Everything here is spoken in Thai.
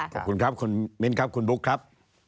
ขอบคุณครับคุณมิ้นครับคุณบุ๊คครับ